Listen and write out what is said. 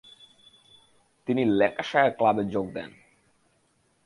তিনি ল্যাঙ্কাশায়ার ক্লাবে যোগ দেন।